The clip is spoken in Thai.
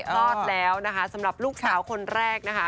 รอดแล้วนะคะสำหรับลูกสาวคนแรกนะคะ